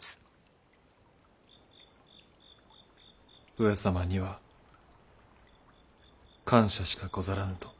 上様には感謝しかござらぬと。